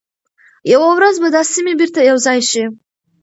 یوه ورځ به دا سیمي بیرته یو ځای شي.